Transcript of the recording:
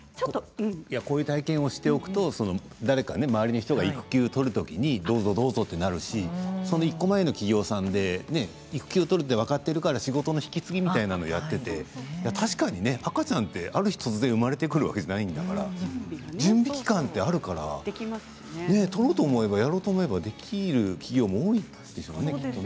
こういう体験をしておくと周りの人が育休を取るときにどうぞどうぞとなりますし１個前の企業さんは育休を取ると分かっているから仕事の引き継ぎをやっていて確かに赤ちゃんは、ある日突然生まれてくるわけじゃないから準備期間があるからねやろうと思えばできる企業もあるでしょうね。